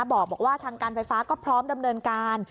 บอกว่าทางการไฟฟ้าก็พร้อมดำเนินการ